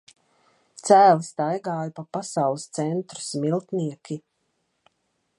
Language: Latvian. Cēli staigāja pa Pasaules centru "Smiltnieki".